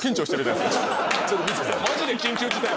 マジで「緊急事態」ですよ。